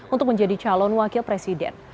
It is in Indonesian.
untuk menjadi calon wakil presiden